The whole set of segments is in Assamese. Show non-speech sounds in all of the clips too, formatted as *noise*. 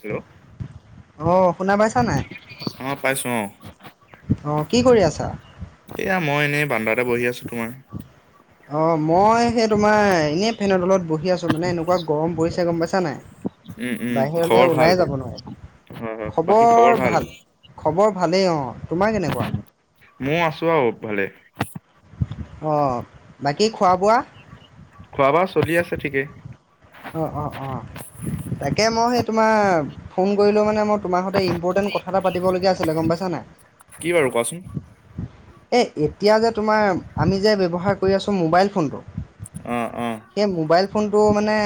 হেল্ল' অ' শুনা পাইছা নাই অ পাইছো অ অঁ কি কৰি আছা এয়া মই এনেই বান্দাতে বহি আছো তোমাৰ। অ', মই সেই তোমাৰ এনেই ফেনৰ তলত বহি আছো মানে এনেকুৱা গৰম পৰিছে গম পাইছা নাই। উম উম বাহিৰলৈ খবৰ ভাল ওলাই যাব নোৱাৰে, হয় হয় বাকী খবৰ ভাল খবৰ ভালেই অ'। মৌ আছো আৰু ভালে। অ', বাকী খোৱা বোৱা? খোৱা বোৱা চলি আছে ঠিকেই। অঁ অঁ অঁ, তাকে মই সেই তোমাৰ ফোন কৰিলোঁ মানে মই তোমাৰ সৈতে ইম্পৰ্টেণ্ট কথা এটা পাতিবলগীয়া আছিলে গম পাইছানে নাই। কি বাৰু কোৱাচোন এই এতিয়া যে তোমাৰ আমি যে ব্যৱহাৰ কৰি আছোঁ মোবাইল ফোনটো অ অ সেই মোবাইল ফোন টো মানে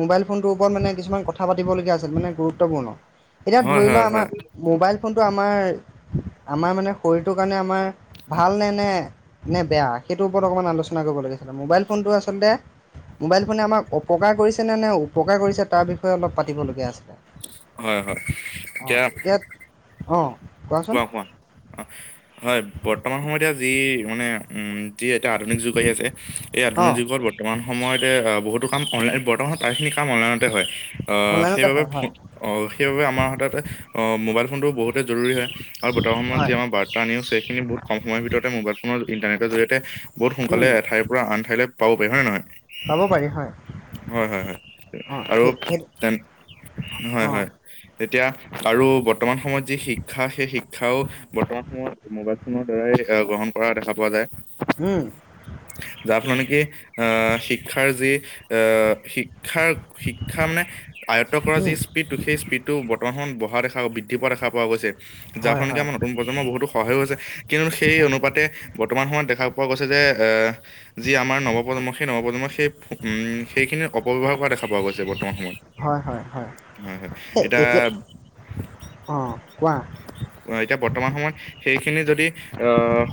মোবাইল ফোনটোৰ ওপৰত মানে কিছুমান কথা পাতিবলগীয়া আছিল, মানে গুৰুত্বপূৰ্ণ। এতিয়া হয় ধৰি লোৱা হয় আমাৰ হয় মোবাইল ফোনটো আমাৰ আমাৰ মানে শৰীৰটোৰ কাৰণে আমাৰ ভাল নে নে বেয়া, সেইটোৰ ওপৰত অকণমান আলোচনা কৰিবলগীয়া আছিলে। মোবাইল ফোনটো আচলতে মোবাইল ফোনে আমাক অপকাৰ কৰিছে নে নে উপকাৰ কৰিছে তাৰ বিষয়ে অলপ পাতিবলগীয়া আছে। হয় হয়, এতিয়া অ' কোৱাচোন কোৱা কোৱা, অ' হয় বৰ্তমান সময়তে যি মানে উম যি এটা আধুনিক যুগ আহি আছে, এই আধুনিক অ' যুগত বৰ্তমান সময়ত বহুত কাম অ'নলাইন বৰ্তমান প্ৰাইখিনি কাম অ'নলাইত টে হয়, অ'সেই অনলাইনতে বাবে হয় ফো হয় অ' সেই বাবে আমাৰ হাতত অ' ম'বাইল। ফোনটো বহুতে জৰুৰী হয়, আৰু বৰ্তমান সময়ত হয় যে আমাৰ ৰ্বাতা নিউজ সেইখিনি বহু ক'ম সময়ৰ ভিতৰতে মোবাইল ফোনৰ ইণ্টাৰনেটৰ জৰিয়তে বহুত সোনকালে উম এঠাইৰ পৰা আন ঠাইলৈ পাব পাৰি হয় নে নহয়। পাব পাৰি হয়। হয় হয় হয়, অ' আৰু সেই সেইটো তে হয় অ' হয়, তেতিয়া আৰু বৰ্তমান সময়ত যি শিক্ষা সেই শিক্ষাও বৰ্তমান সময়ত মোবাইল ফোনৰ দ্বাৰাই গ্ৰহণ কৰা দেখা পোৱা যায়। উম যাৰ ফলত নেকি আ শিক্ষাৰ যি আ শিক্ষাৰ শিক্ষা মানে আয়ত্ত কৰা যি উম স্পীডটো সেই স্পীডটো বৰ্তমান সময়ত অহা দেখা বৃদ্ধি পোৱা দেখা পোৱা গৈছে। যাৰ হয় ফল নেকি হয় আমাৰ নতুন প্ৰজন্মৰ বহুতো সহায়ো হৈছে, কিন্তু সেই অনুপাতে বৰ্তমান সময়ত দেখা পোৱা গৈছে যে, এ যি আমাৰ নৱপ্ৰজন্ম, সেই নৱপ্ৰজন্ম সে সেইখিনি অপব্যৱহাৰ কৰা দে দেখা পোৱা গৈছে ৰ্বতমান। হয়, হয় হয় হয় হয়, সেই এটিয়া এতিয়া অঁ কোৱা অ' এতিয়া বৰ্তমান সময়ত সেইখিনি যদি অ'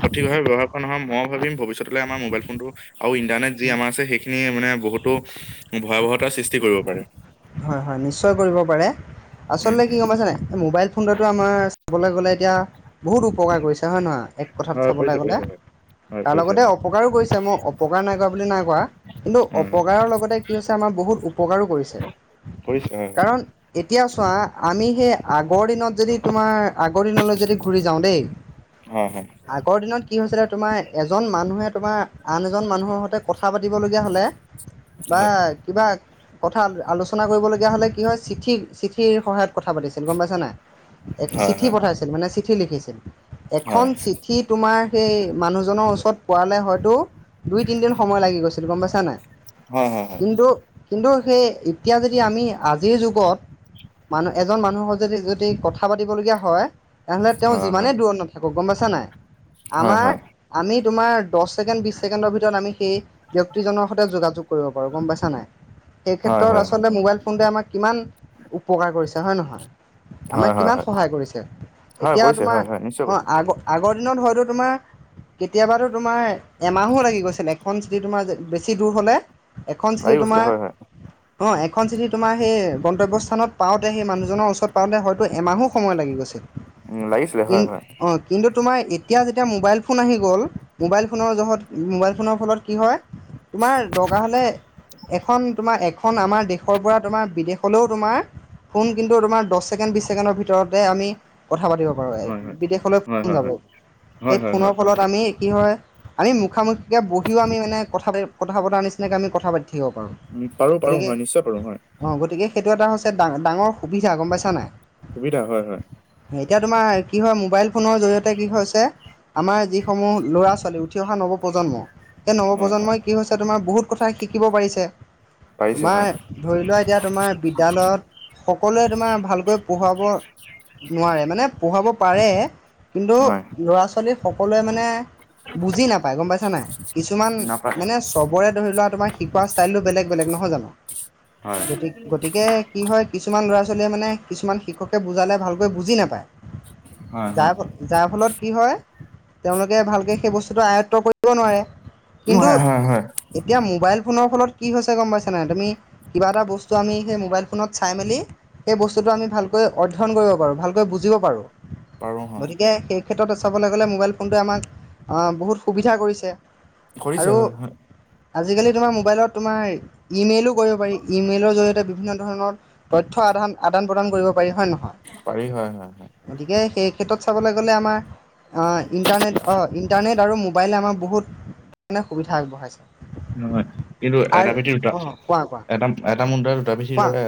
সঠিকভাৱে ব্যৱহাৰ কৰা নহয়, মই ভাবিম ভৱিষ্যতলৈ আমাৰ মোবাইল ফোনটো আৰু ইণ্টাৰনেট যি আমাৰ আছে সেইখিনি মানে বহুতো ভয়াৱহতাৰ সৃষ্টি কৰিব পাৰে। হয় হয় নিশ্চয় কৰিব পাৰে, উম আচলতে কি উম গম পাইছে নাই, মোবাইল ফোনটোতো আমাৰ চাবলৈ গ'লে এতিয়া বহুত উপকাৰ কৰিছে হয় নহয় এক কথাত হয় চাবলৈ কৰিছে গ'লে। কৰিছে হয় হয় তাৰ কৰিছে লগতে হয় অপকাৰো কৰিছে, মই অপকাৰ নাই কৰা বুলি নাই কোৱা, কিন্তু হয় হয় অপকাৰৰ লগতে কি হৈছে আমাৰ বহুত উপকাৰো কৰিছে। কৰিছ হয়। কাৰণ এতিয়া চোৱা আমি সেই আগৰ দিনত যদি তোমাৰ আগৰ দিনলৈ যদি ঘূৰি যাওঁ দেই হয় আগৰ দিনত কি হৈছিলে তোমাৰ এজন মানুহে তোমাৰ আন এজন মানুহৰ সৈতে কথা পাতিবলগীয়া হ'লে। বা হয় কিবা কথা আলোচনা ৰচনা কৰিবলগীয়া হ'লে কি হয় চিঠি চিঠিৰ সহায়ত কথা পাতিছিল গ'ম পাইছ নাই। এ হয় চিঠি পঠাইছিল মানে চিঠি লিখিছিল এখন হয় চিঠি তোমাৰ সেই মানুহজনৰ ওচৰত পোৱালে হয়তো। দুই তিনিদিন সময় লাগি গৈছিল গ'ম পাইছা নাই, হয় হয় হয় কিন্তু কিন্তু সেই এতিয়া যদি আমি আজিৰ যুগত মানুহ এজন মানুহৰ যদি যদি কথা পাতিবলগীয়া হয় তেনেহলে তেওঁ হয় যিমানেই দূৰত নথাকক গম পাইছা নাই হয় হয় হয় হয় হয় হয় হয় আমাৰ আমি তোমাৰ দহ ছেকেণ্ড বিশছ ছেকেণ্ডৰ ভিতৰত আমি সেই ব্যক্তিজনৰ সৈতে যোগাযোগ কৰিব পাৰোঁ গম পাইছা নাই। এই হয় আচলতে মোবাইল ফোনতে আমাক কিমান উপকাৰ কৰিছে হয় নহয়। আমাক হয় কিমান হয় সহায় কৰিছে, হয় এতিয়া কৰিছে তোমাক হয় হয় নিশ্চয় অ' কৰিছে আগ আগৰ দিনত হয়তো তোমাৰ কেতিয়াবাতো তোমাৰ এমাহো লাগি গৈছিল এখন চিঠি তোমাৰ বেছি দূৰ হ'লে। এখন লাগি চিঠি গৈছিলে তোমাৰ হয় হয় অ' এখন যিদি তোমাৰ সেই গন্তব্য স্থানত পাওঁতে সেই মানুহজনৰ ওচৰত পাওঁতে হয়টো এমাহো সময় লাগি গৈছিল, উম লাগিছিলে কি হয় হয় কিন্তু তোমাৰ এতিয়া যেতিয়া এতিয়া মোবাইল ফোন আহি গ'ল মোবাইল ফোনৰ জোহত মোবাইল ফোনৰ ফলত কি হয়। তোমাৰ দৰকাৰ হ'লে এখন তোমাৰ। এখন আমাৰ দেশৰ পৰা তোমাৰ বিদেশলৈও তোমাৰ ফোন কিন্তু তোমাৰ দহ ছেকেণ্ড বিশ ছেকেণ্ডৰ ভিতৰতে আমি কথা পাতিব পাৰো, হয় বিদেশলৈ হয় ফোন হয় হয় যাব হয় সেই হয় হয় ফোনৰ হয় ফলত আমি কি হয় আমি মুখামুখিকে বহিও আমি মানে কথা কথা বতাৰ নিচিনাকে আমি কথা পাতি থাকিব পাৰো। উম পাৰো পাৰো হয় নিশ্চয় পাৰো হয়। অঁ গতিকে সেইটো এটা হৈছে ডা ডাঙৰ সুবিধা গ'ম পাইছা নাই। সুবিধা হয়, হয়। এতিয়া তোমাৰ কি হয় মোবাইল ফোনৰ জৰিয়তে কি হৈছে। আমাৰ যিসমূহ ল'ৰা ছোৱালী উঠি অহা নৱপ্ৰজন্ম এই হয় হয় নৱপ্ৰজন্মই কি হৈছে তোমাৰ বহুত কথা শিকিব পাৰিছে। পাৰিছে তোমাৰ হয় ধৰি লোৱা এতিয়া তোমাৰ বিদ্যালয়ত সকলোৱে তোমাৰ ভালকৈ পঢ়োৱাব নোৱাৰে মানে পঢ়াব পাৰে কিন্তু হয় ল'ৰা ছোৱালী সকলোৱে মানে বুজি নাপাই গ'ম পাইছা নাই। কিছুমান নাপায় মানে চবৰে ধৰি লোৱা তোমাৰ শিকোৱা ষ্টাইলতটো বেলেগ বেলেগ। নহয় জানো হয়। গতিকে গতিকে কি হয় কিছুমান ল'ৰা ছোৱালীয়ে মানে কিছুমান শিক্ষকে বুজালে ভালকৈ বুজি নাপায়। হয় যাৰ হয় যাৰ ফলত কি হয় তেওঁলোকে ভালকে সেই বস্তুটো আয়ত্ব কৰিব নোৱাৰে কিন্তু হয় হয় হয় এতিয়া মোবাইল ফোনৰ ফল কি হৈছে গ'ম পাইছা। পাইছা নে নাই তুমি কিবা এটা বস্তু আমি সেই মোবাইল ফোনত চাই মেলি সেই বস্তুটো আমি ভালকৈ অধ্যয়ন পাৰু ভালকৈ বুজিব পাৰো। পাৰো হয় গতিকে সেই ক্ষেত্ৰত চাবলৈ গ'লে, মোবাইল ফোনটোৱে আমাক বহুত সুবিধা কৰিছে। কৰিছে আৰু হয়, হয়। আজিকালি তোমাৰ মোবাইলত তোমাৰ ই মেইলো কৰিব পাৰি ই মেইলৰ জৰিয়তে বিভিন্ন ধৰণৰ তথ্য আদান আদান প্ৰদান কৰিব পাৰি হয়নে পাৰি হয় হয় হয়। নহয় গতিকে সেই ক্ষেত্ৰত চাবলৈ গ'লে আমাৰ ইণ্টাৰনেট অ' ইণ্টাৰনেট আৰু মোবাইলে আমাৰ বহুত। হেতু কাৰণে সুবিধা আগবঢ়াইছে। হয়, কিন্তু এটা ভেতিত অ' কোৱা। কোৱা এটা এটা মুণ্ডত দুটা পিছিৰ কোৱা দৰে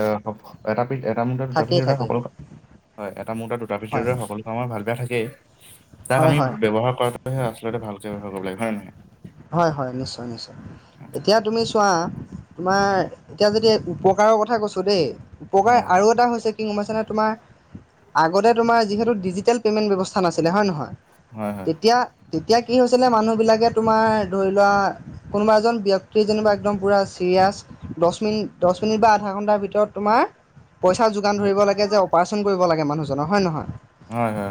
এটাি এটা মুণ্ত দুটা থাকেই পিছিৰ দৰে থাকেই সকলো হয়। এটা মৰা দুটা ভিত হয় দৰে সকলো কামৰ ভাল বেয়া থাকেই তাক হয় আমি হয় ব্যৱহাৰ কৰাটোহে আ তে ভালকে কৰিব লাগে হয় নহয়? হয় হয় নিশ্চয় নিশ্চয় এতিয়া তুমি চোৱা তোমাৰ এতিয়া যদি উপকাৰৰ কথা কৈছো দেই উপকাৰ নহয়? হয় আৰু এটা হৈছে কি গমপাইছানে তোমাৰ আগতে তোমাৰ যিহেতু ডিজিটেল পেমেন্ট ব্যৱস্থা নাছিলে হয় নহয়, হয় তেতিয়া তেতিয়া কি হৈছিলে মানুহ বিলাকে ত তোমাৰ ধৰি লোৱা কোনোবা এজন ব্যক্তি যিনিবা একদম পুৰা চিৰিয়াছ দহ মিনিট যেনিবা বা আধা ঘণ্টাৰ ভিতৰত তোমাৰ পইচা যোগান হয় ধৰিব লাগে যে অপাৰেচন কৰিব লাগে মানুহজনৰ হয়নে নহয়। হয় হয়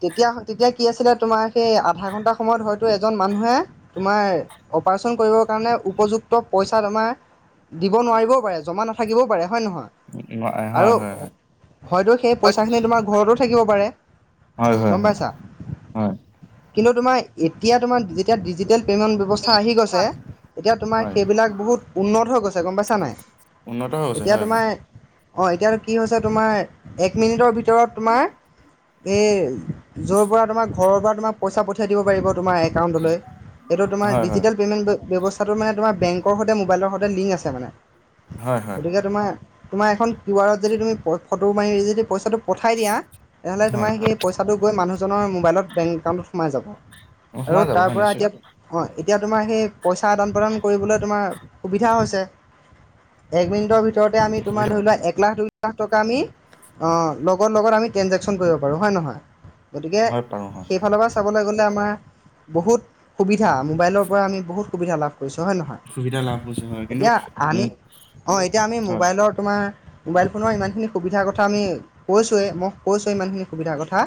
তেতিয়া তেতিয়া কি আছিলে তোমাৰ সেই আধা ঘন্টা সময়ত হয়তো এজন মানুহে তোমাৰ অপাৰেচন কৰিবৰ কাৰণে উপযুক্ত পইচা তোমাৰ দিব নোৱাৰিবও পাৰে, জমা নাথাকিবও পাৰে। হয়, নহয়, হয় হয় আৰু হয় হয় হয়। হয়তো সেই পইচাখিনি তোমাৰ ঘৰতো থাকিব পাৰে। হয়, হয়, গম হয়, পাইছা হয়। কিন্তু তোমাৰ এতিয়া তোমাৰ যেতিয়া ডিজিটেল পে'মেণ্ট ব্যৱস্থা। আচ আহি গৈছে এতিয়া তোমাৰ হয় সেইবিলাক বহুত উন্নত হৈ গৈছে গম পাইছা নাই উন্নত হৈছে হয় হয়। অ', এতিয়াতো কি হৈছে তোমাৰ এক মিনিটৰ ভিতৰত তোমাৰ এই য'ৰ পৰা ব ঘৰৰ পৰা তোমাৰ পইচা পঠিয়াই দিব পাৰিব তোমাৰ একাউন্তলৈ, সেইটো তোমাৰ হয় হয় ডিজিটেল পেমেণ্ট ব্যৱস্থা কাটো মানে তোমাৰ বেংকৰ সৈতে মোবাইলৰ সৈতে লিংক আছে মানে, হয় হয় হয় গতিকে তোমাৰ তোমাৰ এখন কিউ আৰত যদি তুমি ফটো মাৰি যদি পইচাটো পঠাই দিয়া তেনেহ'লে হয়। তোমাৰ সেই পইচাটো গৈ মানুহজনৰ মোবাইলত বেংক একাউণ্টত সোমাই যাব অ', আৰু সোমাই যাব তাৰ হয় পৰা নিশ্চয় এতিয়া, হয় এতিয়া তোমাৰ সেই পইচা আদান প্ৰদান কৰিবলৈ তোমাৰ সুবিধা হৈছে এক মিনিটৰ ভিতৰতে আমি তোমাৰ সুবিধা ধৰি হয়, লোৱা এক লাখ লাখ টকা আমি অ', লগত লগত আমি ট্ৰেঞ্জেকশ্যন কৰিব পাৰোঁ হয় নহয়। গতিকে হয় পাৰোঁ হয় হয়। সেইফালৰ পৰা চাবলৈ গ'লে আমাৰ বহুত সু ধা মোবাইলৰ পৰা আমি বহুত সুবিধা লাভ কৰিছোঁ হয় সুবিধা লাভ কৰিছে হয় নহয় কিন্তু এতিয়া আমি উম, অ', এতিয়া আমি হয়, মোবাইলৰ তোমাৰ মোবাইল ফোনৰ ইমানখিনি সুবিধাৰ কথা আমি কৈছোৱেই মই কৈছোৱেই ইমানখিনি সুবিধাৰ কথা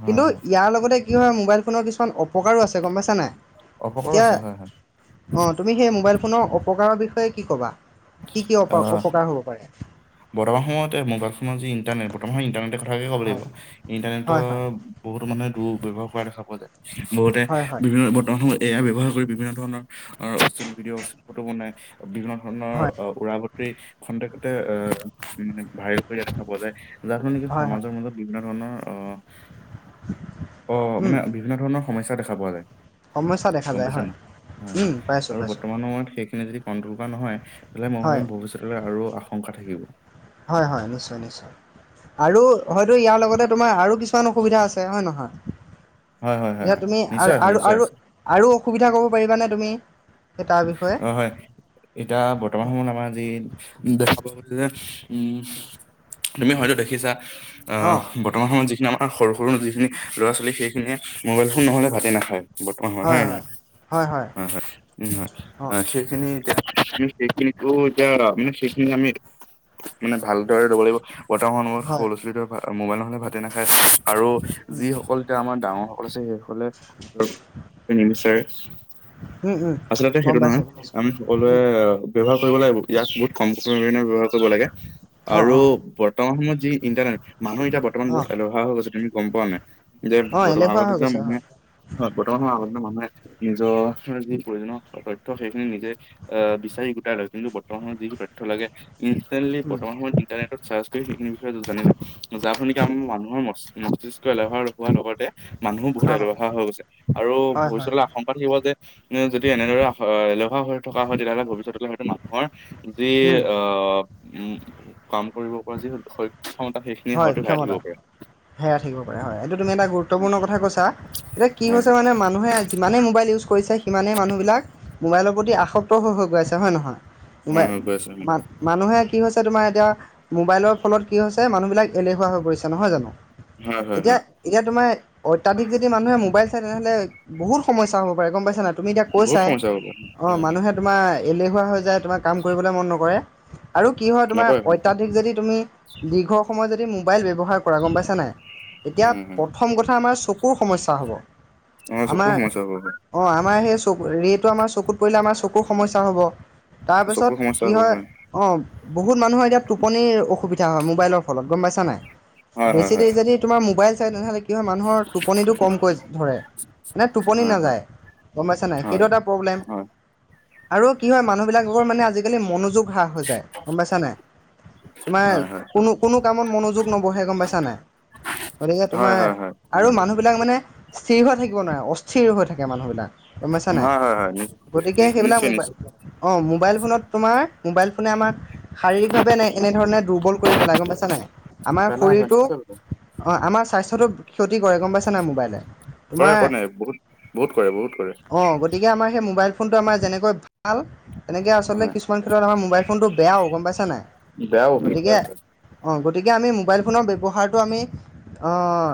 হয় কিন্তু হয় ইয়াৰ লগতে কি হয় মোবাইল ফোনৰ কিছুমান অপকাৰো আছে গম পাইছা নাই, অপকাৰো এতিয়া আছে হয় হয়। অ', তুমি সেই মোবাইল ফোনৰ অপকাৰৰ বিষয়ে কি ক'বা? কি কি অ অপকাৰ হ'ব পাৰে? বৰ্তমান সময়ত মোবাইল ফোনৰ যি ইণ্টাৰনেট বৰ্তমান ইণ্টাৰনেটে কথাকে ক'ব লাগিব, হয়, ইণ্টাৰনেটৰ হয়, হয়, বহুতো মানুহে দুব্যৱহাৰ কৰা দেখা পাওঁ। বহুতে হয়, হয়, বিভিন্ন বৰ্তমান সময়ত এয়া ব্যৱহাৰ কৰি বিভিন্ন ধৰণৰ অশ্লীল ভিডিঅ' অশ্লীল ফটো বনাই বিভিন্ন ধৰণৰ হয়, অহ উৰা বাতৰি খন্তেকতে এ মানে ভাইৰেল কৰি দেখা পোৱা যায় যাৰ ফলত নেকি হয়, হয়, সমাজৰ মাজত বিভিন্ন ধৰণৰ অহ অ', মানে উম, বিভিন্ন ধৰণৰ সমস্যা দেখা পোৱা যায়। সমস্যা দেখা গম যায় পাইছা হয়, নাই, হয় হয় উম, পাইছোঁ, আৰু পাইছোঁ, বৰ্তমান সময়ত সেইখিনি যদি কণ্ট্ৰল কৰা নহয় তেলে মই হয়, ভাবিম ভৱিষ্যতলৈ আৰু আশংকা থাকিব হয় হয় নিশ্চয় নিশ্চয়। আৰু হয়তো ইয়াৰ লগতে তোমাৰ আৰু কিছুমান অসুবিধা আছে হয় নহয়। হয় হয় হয় এতিয়া হয় তুমি নিশ্চয় আছে আৰু নিশ্চয় আৰু আছে আৰু অসুবিধা ক'ব পাৰিবানে তুমি? সেই তাৰ বিষয়ে? অ', হয় এতিয়া বৰ্তমান সময়ত আমাৰ যি দেখা পাবলৈ উম, তুমি হয়তো দেখিছা আহ অঁ, বৰ্তমান সময়ত যিখিনি আমাৰ সৰু সৰু যিখিনি ল'ৰা ছোৱালী সেইখিনিয়ে মোবাইল ফোন নহ'লে ভাতে নাখায়। বৰ্তমান হয় হয় নহয়, হয় হয়, উম হয় অঁ, হয়, সেইখিনি সেইখিনিতো এতিয়া য মানে সেইখিনি আমি মানে ভালদৰে ল'ব লাগিব। বৰ্তমান সময়ত সৰু হয়, ল'ৰা-ছোৱালীয়েতো মোবাইল নহ'লে ভাতে নাখায়, আৰু উম, যিসকল এতিয়া আমাৰ ডাঙৰ অৱশ্যে সেই সকলে আৰু নিবিচাৰে। উ, উ। আচলতে সেইটো নহয়, আমি সকলোৱে ব্যৱহাৰ কৰিব লাগিব ইয়াক বহুত কম সময়ৰ *unintelligible* ব্যৱহাৰ কৰিব লাগে। অঁ, আৰু অঁ, বৰ্তমান সময়ত যি ইণ্টাৰনেট, মানুহ এতিয়া বৰ্তমান বহুত অঁ, এলেহুৱা হৈ গৈছে তুমি গম পোৱা নাই? এতিয়া অঁ, বৰ্তমান এলেহুৱা হৈ আগতেতো গৈছে মানুহে, হয়, হয় বৰ্তমান সময়ত আগ মানুহে নিজৰ যি প্ৰয়োজনীয় তথ্য সেইখিনি নিজে আহ, বিচাৰি গোটাই লয় কিন্তু বৰ্তমানত যিখিনি তথ্য লাগে ইনষ্টেটলি উম, বৰ্তমান সময়ত ইন্টাৰনেটত চাৰ্চ কৰি সেইখিন বিষয়ে জানো যাৰ ফলত আমাৰ মানুহ মই মম্তিষ্ক এলেহুৱা হোৱাৰ লগতে মানুহো অ বহুতেই হয় এলেহুৱা হৈ গৈছে আৰু হয় হয় ভৱিষ্যতলৈ আশংকা থাকিব যে মানে যদি এনেদৰে এলেহুৱা হৈ থকা হয় তেতিয়াহ'লে ভৱিষ্যতলৈ হয়তো মানুহৰ যি উম আহ উ। কাম কৰিব পৰা যি সক্ষমতা সেইখিনি হয় হয়তো হেৰাই থাকিব ক্ষমতা পাৰে। হেৰাই থাকিব পাৰে হয় এইটো তুমি এটা হয় গুৰুত্বপূৰ্ণ কথা কৈছা। এতিয়া কি হয় হৈছে হয় মানে মানুহে যিমানেই মোবাইল ইউজ কৰিছে, সিমানে মানুহ বিলাক মোবাইলৰ প্ৰতি আসক্ত হৈ হৈ গৈ আছে হয় নহয়? হয় মোবাইল হয় গৈ আছো মা-মানুহে কি হৈছে তোমাৰ এতিয়া মোবাইলৰ ফলত কি হৈছে, মানুহবিলাক এলেহুৱা হৈ পৰিছে নহয় জানো? হয় হয় হয়। এতিয়া, এতিয়া তোমাৰ অত্যাধিক যদি মানুহে মোবাইল তেনেহ'লে বহুত সমস্যা হ'ব পাৰে গম পাইছা নাই তুমি এতিয়া বহুত কৈছাই, সমস্যা হ'ব অ', হয় হয় মানুহে তোমাৰ এলেহুৱা হৈ যায় তোমাৰ কাম কৰিবলৈ মন নকৰে, আৰু কি হয় তোমাৰ নকয় নহয়। অত্যাধিক যদি তুমি দীৰ্ঘ সময়ত যদি মোবাইল ব্যৱহাৰ কৰা গম পাইছা নাই? এতিয়া হয় হয় প্ৰথম কথা আমাৰ চকুৰ সমস্যা হ'ব। অ চকুৰ আমাৰ, সমস্যা হ'ব হয় অ', আমাৰ সেই চকু ৰেতো আমাৰ চকুত পৰিলে আমাৰ চকুৰ সমস্যা হ'ব। তাৰপিছত চকুৰ সমস্যা কি হ'ব হয়, অ', বহুত মানুহৰ এতিয়া টোপনিৰ অসুবি হ- হয় মোবাইলৰ ফলত, গম পাইছা নাই? হয় বেছি হয় দেৰি যদি তোমাৰ মোবাইল চাই তেনেহ'লে কি হয় মানুহৰ টোপনিটো কমকৈ ধৰে। নে টোপনি হয় হয় নাযায়। গম পাইছা নাই? সেইটো হয় এটা প্ৰব্লেম। আৰু কি হয় মানুহ বিলাকৰ মানে আজিকালি মনোযোগ হ্ৰাস হৈ যায়, গম পাইছা নাই? তোমাৰ হয় হয় কোনো কোনো কামত মনোযোগ নবহে গম পাইছা নাই? গতিকে হয় তোমাৰ হয় হয় হয় আৰু মানুহবিলাক মানে স্থিৰ হৈ থাকিব নোৱাৰে, অস্থিৰ হৈ থাকে মানুহবিলাক। গম পাইছা নাই? হয় হয় হয় হয়। নিশ্চ গতিকে নিশ্চ সেইবিলাক নিশ্চয় মোবাইল, নিশ্চয় অ', মো মোবাইল ফোনত তোমাৰ, মোবাইল ফোনে আমাক শাৰীৰিকভাৱে এনে এনেধৰণে দুৰ্বল কৰি পেলাই গম পাইছ ছা নাই? আমাৰ পেলাই হয় শৰীৰটো, নিশ্চয় পেলাই। অ', আমাৰ স্বাস্থ্যতো ক্ষতি কৰে গম পাইছা নাই মোবাইলে। কৰে তোমাৰ, কৰে বহুত বহুত কৰে বহুত কৰে অ', গতিকে আমাৰ সেই মবাইল ফোনটো আমাৰ যেনেকৈ ভাল তেনেকে আচলতে হয় কিছুমান ক্ষেত্ৰত আমাৰ মোবাইল ফোনটো বেয়াও গম পাইছা নাই? বেয়াও হয় গতিকে হয় হয় গতিকে আমি মোবাইল ফোনৰ ব্যৱহাৰটো আমি অ'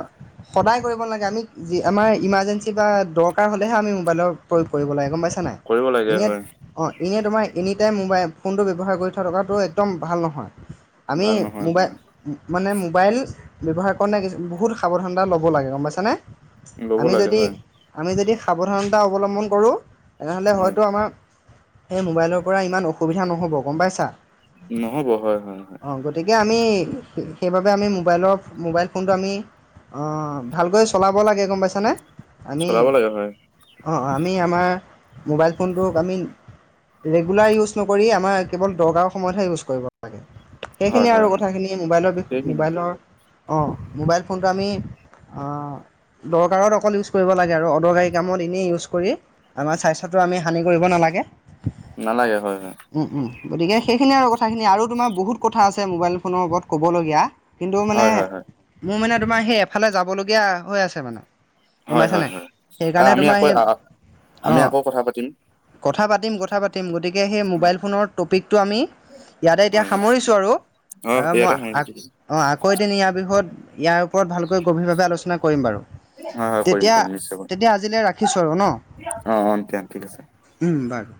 সদায় কৰিব নালাগে, আমি যি আমাৰ ইমাৰ্জেঞ্চি বা দৰকাৰ হ'লে হে আমি মোবাইলৰ প্ৰয়োগ কৰিব লাগে গম পাইছা? নাই, কৰিব লাগে এনেয়াত হয় অ'। ইনে তোমাৰ এনি টাইম মোবাইল ফোনটো ব্যৱহাৰ কৰি থ- থকাটো একদম ভাল নহয়। ভাল নহ। মোবাই, মানে মোবাইল ব্যৱহাৰ কৰণে বহুত সাৱধানতা ল'ব লাগে গম পাইছানে? ল'ব আমি লাগে যদি, হয় আমি যদি সাৱধানতা অৱলম্বন কৰোঁ তেনেহ'লে হয় হয়তো আমাৰ সেই মোবাইলৰ পৰা ইমান অসুবিধা নহ'ব গম পাইছা? নহ'ব হয়, হয়, হয়। অঁ গতিকে আমি, সেইবাবে আমি মোবাইলৰ মোবাইল ফোনটো আমি অ'ভালকৈ চলাব লাগে গম পাইছানে? আমি, চলাব লাগে হয় অ', আমি আমাৰ মোবাইল ফোনটোক আমি ৰেগুলাৰ ইউজ নকৰি আমাৰ কেৱল দৰকাৰৰ সময়তহে ইউজ কৰিব লাগে হয় সেইখিনি আৰু হয় হয় কথাখিনি মোবাইলৰ বিষ সেইখিনিয়ে মোবাইলৰ অ মোবাইল ফোনটো আমি অ দৰকাৰত অকল ইউজ কৰিব লাগে আৰু অদৰকাৰী কামত এনেই ইউজ কৰি আমাৰ স্বাস্থ্যটো আমি হানি কৰিব নালাগে নালাগে হয় হয় উম উম গতিকে সেইখিনি আৰু কথাখিনি আৰু তোমাৰ বহুত কথা আছে মোবাইল ফোনৰ ওপৰত ক'বলগীয়া কিন্তু মানে, হয় হয় হয় মোৰ মানে তোমাৰ সেই এফালে যাবলগীয়া হৈ আছে মানে। গম হয় পাইছা হয় নাই? হয় আ সেইকাৰণে আমি তোমাৰ আকৌ সেই, আ আমি অ'। আকৌ কথা পাতিম কথা পাতিম, কথা পাতিম গতিকে সেই মোবাইল ফোনৰ টপিকটো আমি ইয়াতে এতিয়া হয় হয় সামৰিছ আৰু, অ তা মই ইয়াতে হয় আক অ', আকৌ এদিন ইয়াৰ বিষয়ত ইয়াৰ ওপৰত ভালকৈ গভীৰভাৱে আলোচনা কৰিম বাৰু। হয় কৰিম তেতিয়া, কৰিম তেতিয়া আজিলৈ ৰাখিছোঁ আৰু ন? অঁ অঁ তিয়া ঠিক আছে। বাৰু